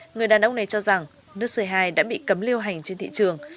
người đàn ông này cho rằng nước c hai đã bị cấm lưu hành trên thị trường